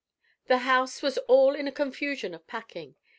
The house was all in a confusion of packing.